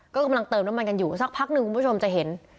ก็กำลังเติมน้ำมันกันอยู่สักพักหนึ่งคุณผู้ชมจะเห็น